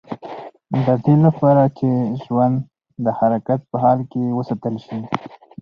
د دې لپاره چې ژوند د حرکت په حال کې وساتل شي.